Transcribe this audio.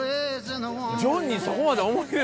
ジョンにそこまで思い入れ。